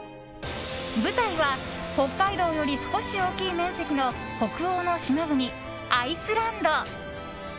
舞台は北海道より少し大きい面積の北欧の島国、アイスランド。